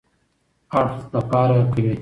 اړخ له پاره کوي.